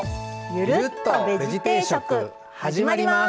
ゆるっとベジ定食、始まります。